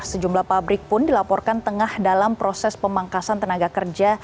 sejumlah pabrik pun dilaporkan tengah dalam proses pemangkasan tenaga kerja